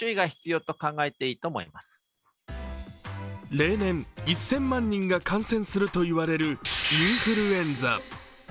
例年、１０００万人が感染すると言われるインフルエンザ。